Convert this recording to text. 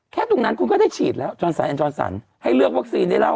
แคทุกนั้นคุณก็ได้ฉีดแล้วจอนสันอันจอนสันให้เลือกวรรคซีนได้แล้ว